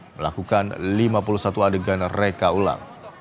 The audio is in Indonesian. melakukan lima puluh satu adegan reka ulang